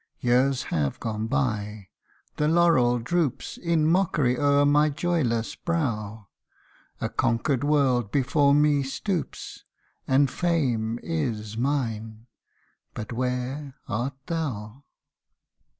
Years have gone by the laurel droops In mockery o^er my joyless brow : A conquered world before me stoops, And Fame is mine but where art thou